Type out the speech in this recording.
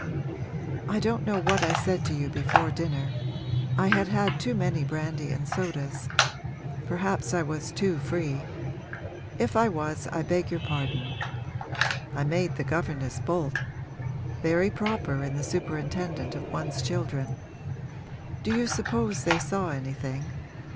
I don't know what I said to you before dinner I had had too many brandy and sodas. Perhaps I was too free; if I was I beg your pardon. I made the governess bolt very proper in the superintendent of one's children. Do you suppose they saw anything?